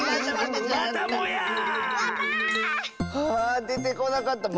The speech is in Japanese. あでてこなかった！